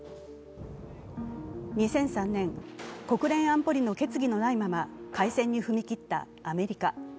２００３年、国連安保理の決議のないまま開戦に踏み切ったアメリカ。